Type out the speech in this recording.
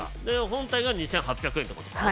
本体が２８００円って事かな。